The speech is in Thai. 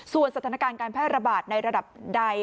ส่วนสถานการณ์การแพร่ระบาดในระดับใด